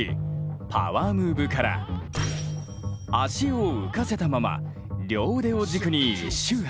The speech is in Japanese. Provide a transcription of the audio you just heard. パワームーブから足を浮かせたまま両腕を軸に１周半。